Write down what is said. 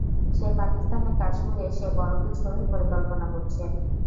সে পাকিস্তানের কাশ্মীরে সে বড়ো কিছুর পরিকল্পনা করছে।